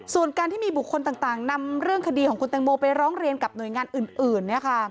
ส่วนการที่มีบุคคลต่างนำเรื่องคดีของคุณแตงโมไปร้องเรียนกับหน่วยงานอื่น